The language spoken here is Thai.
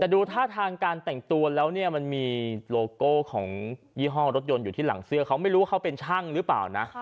แต่ดูท่าทางการแต่งตัวแล้วเนี่ยมันมีโลโก้ของยี่ห้อรถยนต์อยู่ที่หลังเสื้อเขาไม่รู้ว่าเขาเป็นช่างหรือเปล่านะ